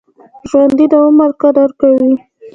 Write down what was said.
ژوندي د عمر قدر کوي